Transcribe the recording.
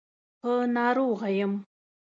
په ناروغه يم.